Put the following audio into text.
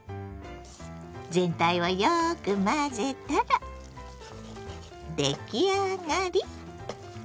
全体をよく混ぜたら出来上がり！